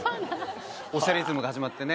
『おしゃれイズム』が始まってね